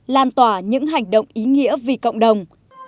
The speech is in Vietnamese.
lan tỏa những hành động ý nghĩa vì cộng đồng